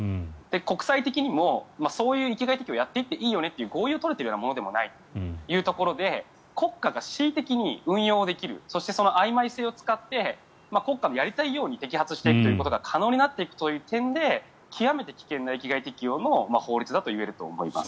国際的にもそういう域外適用をやっていいよねと合意が取れているものでもないということで国家が恣意的に運用できるそしてそのあいまい性を使って国家のやりたいように摘発していくことが可能になっていく点で極めて危険な域外適用の法律だと言えると思います。